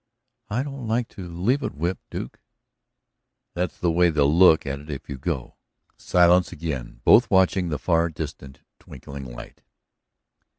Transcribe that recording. "I don't like to leave it whipped, Duke." "That's the way they'll look at it if you go." Silence again, both watching the far distant, twinkling light.